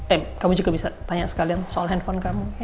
eh kamu juga bisa tanya sekalian soal handphone kamu